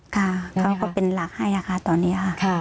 เขาก็เป็นหลักให้นะคะตอนนี้